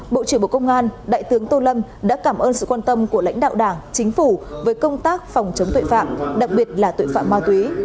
bộ trưởng bộ công an đại tướng tô lâm đã cảm ơn sự quan tâm của lãnh đạo đảng chính phủ với công tác phòng chống tội phạm đặc biệt là tội phạm ma túy